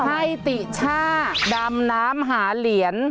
ให้ติช่าดำน้ำหาเหรียญ